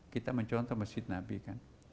kita mencontoh masjid nabi kan